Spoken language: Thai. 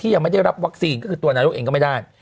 ยังไม่ได้รับวัคซีนก็คือตัวนายกเองก็ไม่ได้